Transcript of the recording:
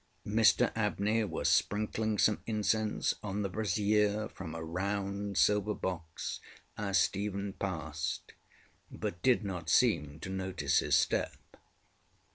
Mr Abney was sprinkling some incense on the brazier from a round silver box as Stephen passed, but did not seem to notice his step.